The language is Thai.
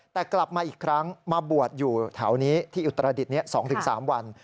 แต่กลับมาอีกครั้งมาบวชอยู่แถวนี้ที่อุตรดิษฐ์๒๓วัน